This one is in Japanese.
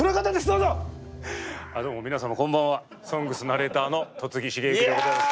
どうも皆様こんばんは「ＳＯＮＧＳ」ナレーターの戸次重幸でございます。